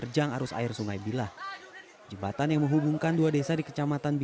jembatan yang ditemukan selamat